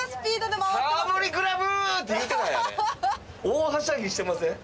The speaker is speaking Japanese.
大はしゃぎしてません？